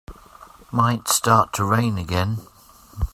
Might start to rain again.